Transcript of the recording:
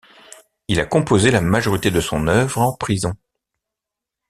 Il a composé la majorité de son œuvre en prison.